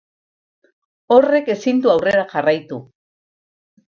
Horrek ezin du aurrera jarraitu.